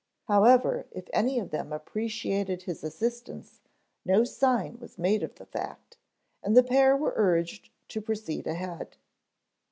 However, if any of them appreciated his assistance no sign was made of the fact, and the pair were urged to proceed ahead.